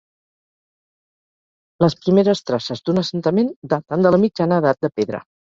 Les primeres traces d'un assentament daten de la mitjana Edat de pedra.